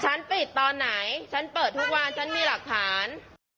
ปิดตอนไหนฉันเปิดทุกวันฉันมีหลักฐาน